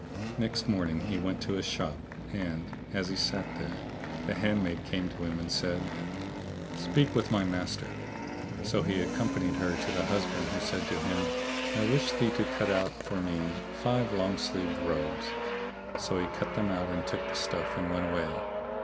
Next morning he went to his shop, and, as he sat there, the handmaid came to him and said, "Speak with my master." So he accompanied her to the husband who said to him, "I wish thee to cut out for me five long sleeved robes."[FN#639] So he cut them out[FN#640] and took the stuff and went away.